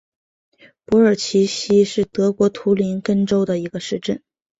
珀尔齐希是德国图林根州的一个市镇。